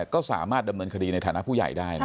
ก็สามารถดำเนินคดีในฐานะผู้ใหญ่ได้